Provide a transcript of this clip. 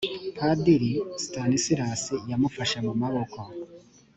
padiri stanislas yamufashe mu maboko